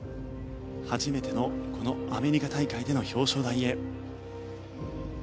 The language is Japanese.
初めてのこのアメリカ大会での表彰台へ。